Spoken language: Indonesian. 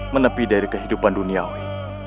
menepi dari kehidupan duniawi